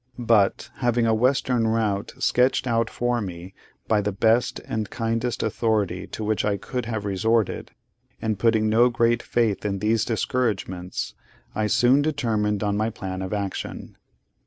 But, having a western route sketched out for me by the best and kindest authority to which I could have resorted, and putting no great faith in these discouragements, I soon determined on my plan of action.